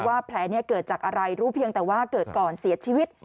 แผลนี้เกิดจากอะไรรู้เพียงแต่ว่าเกิดก่อนเสียชีวิต